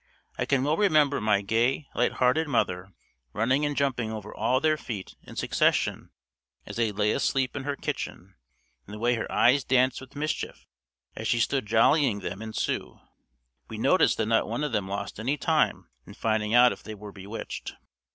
I can well remember my gay, light hearted mother running and jumping over all their feet in succession as they lay asleep in her kitchen and the way her eyes danced with mischief as she stood jollying them in Sioux. We noticed that none of them lost any time in finding out if they were bewitched.